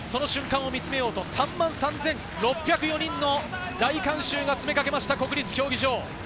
その瞬間を見つめようと、３万３６０４人の大観衆が詰めかけました、国立競技場。